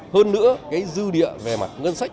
hơn nữa dư địa về mặt ngân sách